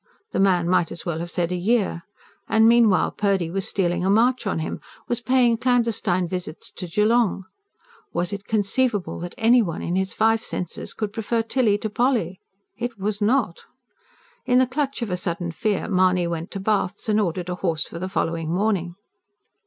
The man might as well have said a year. And meanwhile Purdy was stealing a march on him, was paying clandestine visits to Geelong. Was it conceivable that anyone in his five senses could prefer Tilly to Polly? It was not. In the clutch of a sudden fear Mahony went to Bath's and ordered a horse for the following morning.